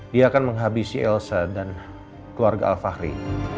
dia akan menghabisi elsa dan keluarga alfahri